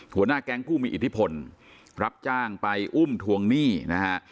หัวหน้าแก๊งผู้มีอิทธิพลรับจ้างไปอุ้มทวงหนี้นะฮะ